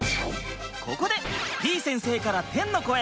ここでてぃ先生から天の声！